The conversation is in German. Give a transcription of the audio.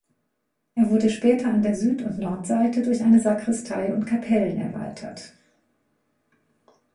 Er wurde später an der Süd- und Nordseite durch eine Sakristei und Kapellen erweitert.